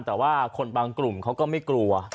แต่ว่าคนบางกลุ่มเขาก็ไม่กลัว